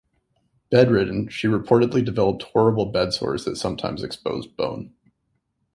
Bedridden, she reportedly developed horrible bed sores that sometimes exposed bone.